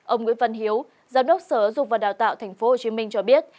ông nguyễn văn hiếu giám đốc sở giáo dục và đào tạo tp hcm cho biết